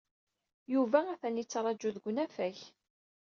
Yuba atan yettraju deg unafag.